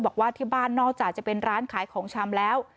บอกว่าที่บ้านนอกจากจะเป็นร้านขายของชำแล้ว